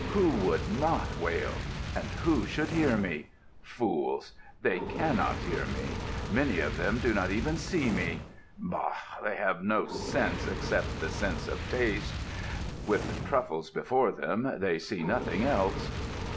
"Who would not wail? And who should hear me? Fools! They can not hear me. Many of them do not even see me. Bah! They have no sense, except the sense of taste: with truffles before them, they see nothing else."